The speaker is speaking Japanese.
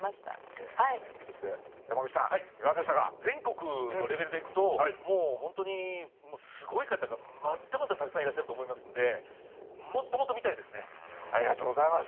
全国のレベルでいくともうホントにすごい方がまだまだたくさんいらっしゃると思いますんでもっともっと見たいですね。